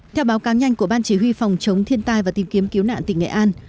theo báo cáo nhanh của ban chỉ huy phòng chống thiên tai và tìm kiếm cứu nạn tỉnh nghệ an